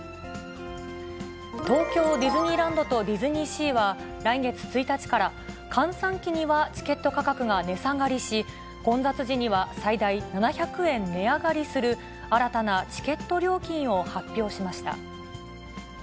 東京ディズニーランドとディズニーシーは、来月１日から、閑散期にはチケット価格が値下がりし、混雑時には最大７００円値上がりする、新たなチケット料金を発表しました。